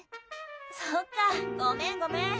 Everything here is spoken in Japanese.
そっかごめんごめん